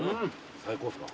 最高っすか？